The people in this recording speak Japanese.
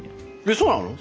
そうなの？